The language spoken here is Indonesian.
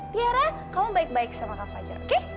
tiara kau baik baik sama kak fajar oke